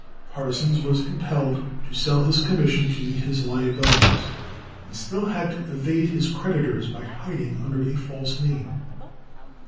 Parsons was compelled to sell his commission to meet his liabilities, and still had to evade his creditors by hiding under a false name.